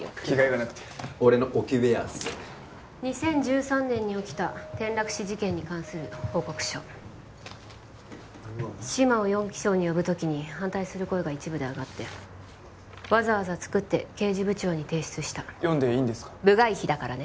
着替えがなくて俺の置きウエアっす２０１３年に起きた転落死事件に関する報告書志摩を４機捜に呼ぶ時に反対する声が一部で上がってわざわざ作って刑事部長に提出した読んでいいんですか？